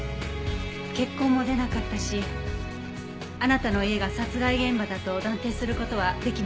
血痕も出なかったしあなたの家が殺害現場だと断定する事はできませんでした。